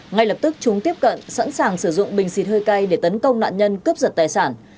ngay lập tức chúng tiếp cận sẵn sàng sử dụng bình xịt hơi cay để tấn công nạn nhân cướp giật tài sản